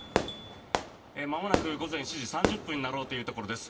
まもなく午前７時３０分になろうというところです。